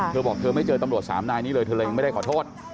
เธอบอกเธอไม่เจอตำรวจสามนายนี้เลยเธอเลยยังไม่ได้ขอโทษ